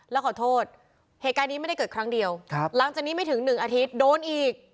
แล้วขอโทษเหตุการณ์นี้ไม่ได้เกิดครั้งเดียวหลังจากนี้ไม่ถึง๑อาทิตย์โดนอีก